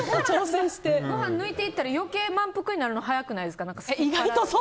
ごはん抜いて行ったら余計満腹になるの早くないですか。